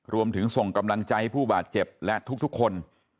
ส่งกำลังใจผู้บาดเจ็บและทุกคน